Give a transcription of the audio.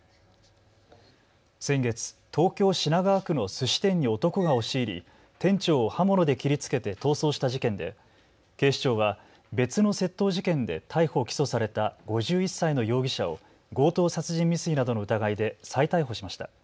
先月、東京品川区のすし店に男が押し入り店長を刃物で切りつけて逃走した事件で警視庁は別の窃盗事件で逮捕・起訴された５１歳の容疑者を強盗殺人未遂などの疑いで再逮捕しました。